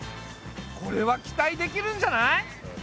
これは期待できるんじゃない？